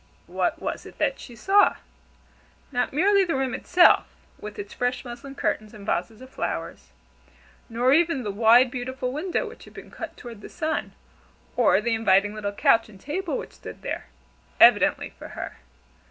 What was it that she saw? Not merely the room itself, with its fresh muslin curtains and vases of flowers. Nor even the wide, beautiful window which had been cut toward the sun, or the inviting little couch and table which stood there, evidently for her.